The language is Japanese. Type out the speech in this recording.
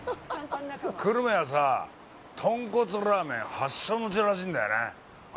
久留米はさ、とんこつラーメン発祥の地らしいんだよね。